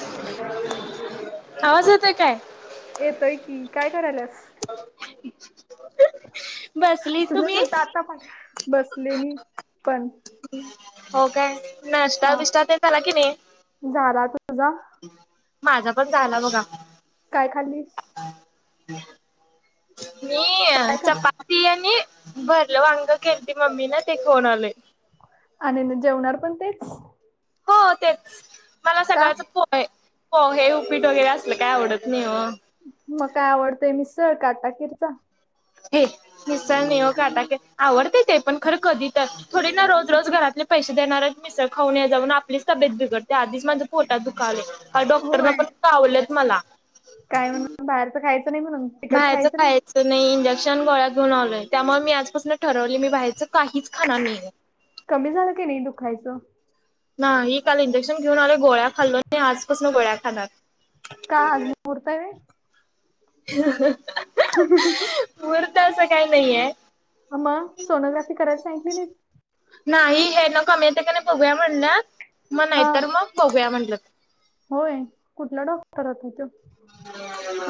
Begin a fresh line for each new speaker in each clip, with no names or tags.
Hello!
आवाज येतोय काय?
येतोय की काय करायलीयास? हा तुम्ही केलता आता फोन? बसले मी. पण
हो काय नाष्टा
हा
बीस्टा ते झाला की नाय?
झाला तुझा?
माझा पण झाला बघा.
काय खाल्लीस? काय
मी
खा
चपाती आणि भरल वांग केलते मम्मीन ते खाऊन आलोय.
आणि जेवणार पण तेच?
हा तेच मला
का?
सकाळच पोहे पोहे उपीट वगैरे असलं काय आवडत नाही ओ.
मग काय आवडतंय मिसळ काटाकिरच.
हे मिसळ नाही ओ काटाके आवडते ते पण खरं कधी थोडी ना रोज रोज घरातले पैसे देणार आहेत मिसळ खाऊन ये जा म्हणून आपली तब्येत बिडते आधीच माझा फोटा दुखायले. डॉक्टर न
होय.
पण कावलेत मला.
काय म्हणून बाहेरचं खायचं नाही म्हणून? तिकट
बाहेयचं
नाही
खायचं च नाही इंजेक्शन गोळ्या घेऊन आवलोय त्यामुळ मी आजपासून ठरवलय मी बाहेरचं काहीच खाणार नाही.
कमी झालं की नाही दुखायचं?
नाही काल इंजेक्शन घेऊन आलोय गोळ्या खाल्लो आणि आजपासून गोळ्या खाणार.
का आज मुहूर्त आहे होय?
मुहूर्त असं काय नाहीये.
अ म सोनोग्राफी कराय सांगितली नाहीत?
नाही हे नकमीेत का नाही बघूया म्हणलं मग
हा
नाहीतर मग बघूया म्हणलं
होय कुठला डॉक्टर आता तो.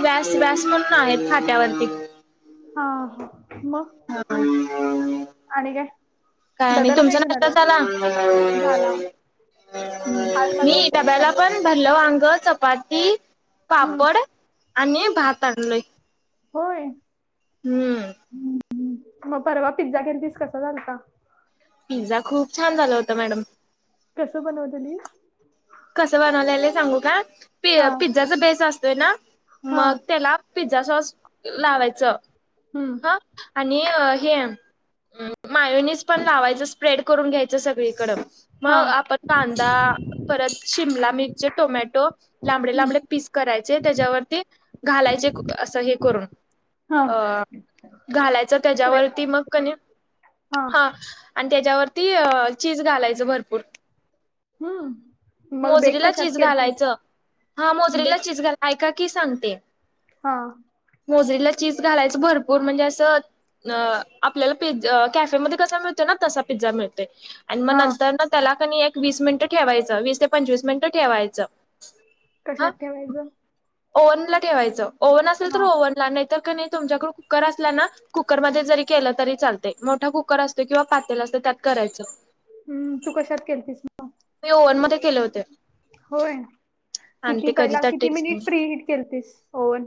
व्यास व्यास म्हणून आहेत खात्यावरती
हा हा मग
हम्.
आणि ग
काय नाही तुमचा नाष्ट्ता झाला
झाला आज माझा
मी
उपवास आहे.
डब्यालापण भरलं वांग चपाती
हम्म
पापड आणि
हम्म
भात आणलोय.
होय
हम्म
मग परवा पिझ्झा केन तस कसा झाल का?
पिझ्झा खूप छान झाला होता मॅडम.
कसं बनवत न.
कसं बनवलंलं सांगू का पि
हा
पिझ्झाचा बेस असतोय ना
हा
मग त्याला. पिझ्झा सॉस लावायचं.
हम्.
ह आणि हे मायुनीस पण लावायच स्प्रेड करून घ्यायचं सगळीकड
हा
मग आपण कांदा. परत शिमला मिरचे टोमॅटो लांबडे लांबडे पीस करायचे त्याच्यावरती घालायचे असं हे करून.
हा
अ घालायचं
स्प्रेड.
त्याच्यावरती मग क हा आणि त्याच्यावरती चीज घालायचं भरपूर
हम.
मोजरीला चीज घालायचं हा मोजरीला
बेक
चीज घाला ऐका की सांगते.
हा.
मोजरीला चीज घालायचं भरपूर म्हणजे असं अ आपल्याला पिझ् कॅफेमध्ये कसा मिळतोय ना तसा पिझ्झा मिळतो. आणि मग
हा
नंतर ना त्याला कणी एक वीस मिनिटं ठेवायचं वीस ते पंचवीस मिनिटं ठेवायचं
कशात ठेवायचं.
ओव्हन ला ठेवायचं ओव्हन असेल तर
हा
ओव्हनला नाही तर का नाही तुमच्याकड कुकर असला ना कुकरमध्ये जरी केलं तरी चालत मोठा कुकर असतो किंवा पातेल असत त्यात करायचं
हम् तू कशात केलतीस मग
मी ओव्हन मध्ये केले होते.
होय
आणि
किती
ते कधी
पहिला
तर
किती
टेस्ट
मिनिट फ्री हट केलतीस ओवन.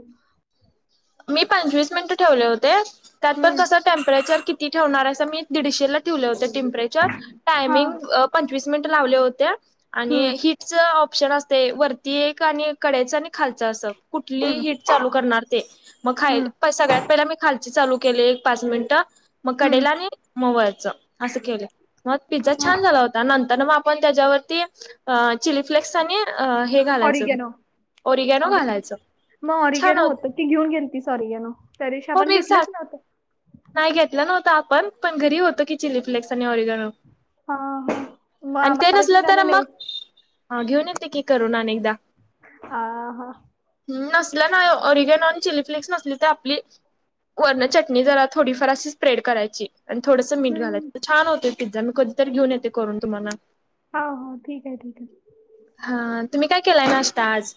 मी पंचवीस मिनिट ठेवले होते त्यात पण
हम्म
कस टेम्परेचर किती ठेवणार अस मी दीडशेला ठेवले होत टेम्परेचर
हा
टायमिंग पंचवीस मिनिट लावले होते आणि
हम्म
ही ऑप्शन असते वरती एक आणि कड्याचं आणि खालचं असं कुठली
हम्म
हिट चालू करणार ते मग खाय
हम्म
सगळ्यात पहिला मी खालची चालू केली एक पाच मिनिटं मग कडेला
हम्म
आणि मोवयच असं केलं मग पिझ्झा
हा
छान झाला होता. नंतर मग आपण त्याच्यावरती चि! फ्लेक्स आणि हे घालायचं
ऑरिगॅनो ऑरि
ओरिगॅनो घालायचं
मग
छान
ऑरिगेनो
होत.
होतं ती घेऊन गेल त सॉरी या नो त रेशा
हो
आपण
मी सांग
घेतलच नात.
नाही घेतला नव्हता आपण पण घरी होतो की चिली फ्लेक्स आणि ओरिगैन
हा हा म आम्हाला झाली नाही.
हा घेऊन येते की करोनाने एकदा
आ ह
हम् न ना अरगेनॉन चिली फ्लेक्स फ्लेक्स नसली तर आपली वर्ण चटणी जरा थोडीफार अशी स्प्रेड करायची आणि थोडंसं मठ
हम्म.
घालायचं छान होत पिझ्झा मी कधीतरी घेऊन ये करून तुम्हाला.
हा हो ठीक आहे ठीक आहे.
हा तुम्ही काय केलाय नाश्ता आज.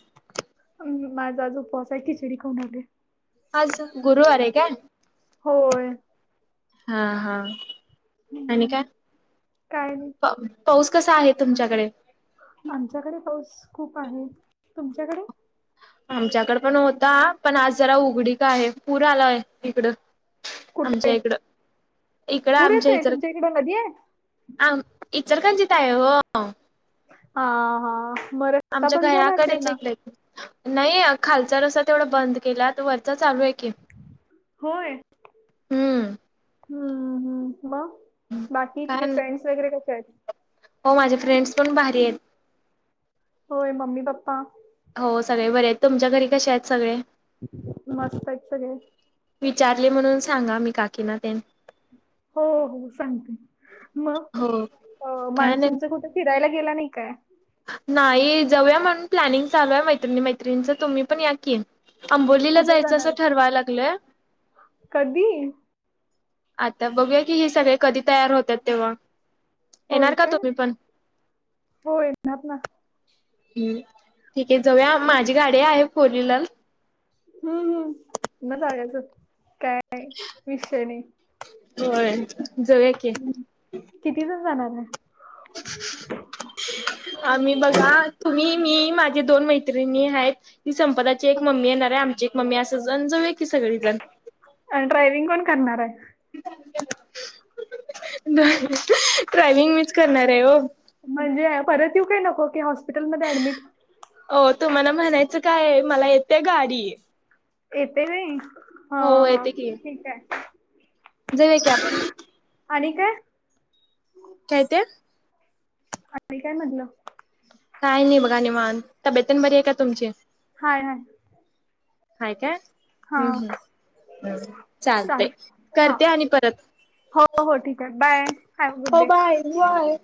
अ माझा आज उपवास हाय खिचडी खाऊन आलूय.
आज गुरुवर आहे काय.
होय.
हा हा आणि काय,
हम्म, काय नाही
पाऊस कसा आहे तुमच्याकडे.
आमच्याकडे पाऊस खूप आहे तुमच्याकडे?
आमच्याकड पण होता पण आज जरा उघडीक आहे पूर आलाय हीकडं. आमच्या
कुठे
इकडं इकड
पूर
आमच्या
येतोय
इतर.
तुमच्या इकडे नदी आहे
आम इचलकरंजीत हाय हो.
हा हा बर
आमच्या घयाकडेच जीपलंय की. नाही खालचा रसा तेवढा बंद केला तर वरचा चालू आहे की.
होय.
हम्म
हम्म हम्म मग बाकी तुझे
काय
फ्रेंड्स वगैरे कसे आहेत.
हो माझे फ्रेंड्स पण भारी हायत.
होय ममी पापा
हो सगळे बरे आहेत तुमच्या घरी कसे आहेत सगळे?
मस्त हायत सगळे.
विचारले म्हणून सांगा मी काकीना तेन.
हो हो सांगते मग
हो काय नाही
मान्सूनच कुठे फिरायला गेला नाही काय,
नाही जाऊया म्हणून प्लॅनिंग चालूय मैत्रि मैत्रिणीचं तुम्ही पण या की. अंबोलीला
कुठे
जायचं असं
जाणार?
ठरवाय लागल्या.
कधी?
आता बघूया की हे सगळे कधी तयार होत्यात तेव्हा
होय
येणार का
काय?
तुम्ही पण?
हो येणार ना.
हम् ठीक आहे जाऊया, माझी गाडी आहे फोरविलर
हम्म हम् मग जायचं काय विषय नाही.
होय जाऊ या की.
हम किती जण जाणार हाय.
[unintelligible] आ्ही बघा तुम्ही मी माझे दोन मैत्रिणी हायत. ती संपदाची एक मम्मी येणार आहे आमची एक मम्मी असं जण जाऊया की सगळीजण.
अन ड्रायविंग कोण करणार हाय?
ड्रायविंग मीच करणार हाय ओ
म्हणजे परत येऊ काय नको की हॉस्पिटलमध्ये ऍडमिट
हो तुम्हाला म्हणायचं काय मला येतेय गाडी
ये तेे हुय हा
हो
हा ठीक हाय.
जाऊ या की आपण.
आणि काय?
काय ते
आणि काय म्हणलं?
काय नाही बघा निवांत तब्येत तेन बरी हाय का तुमची?
हाय हाय.
हाय काय?
हा
चालतय
चालेल. हा
करते आणि परत
हो हो ठीक हाय बाय हॅव गुड डे.
हो बाय मी हाय.